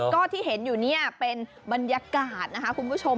ก็ที่เห็นอยู่เนี่ยเป็นบรรยากาศนะคะคุณผู้ชม